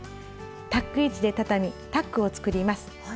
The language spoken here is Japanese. タック位置でたたみタックを作ります。